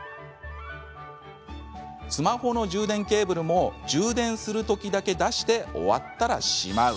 スマホの充電ケーブルも充電する時だけ出して終わったらしまう。